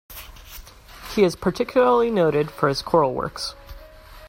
He is particularly noted for his choral works.